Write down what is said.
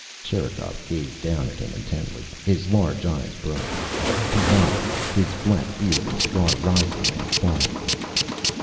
Sherikov gazed down at him intently, his large eyes bright. He nodded, his black beard and cigar rising and falling.